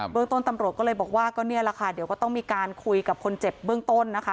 เรื่องต้นตำรวจก็เลยบอกว่าก็นี่แหละค่ะเดี๋ยวก็ต้องมีการคุยกับคนเจ็บเบื้องต้นนะคะ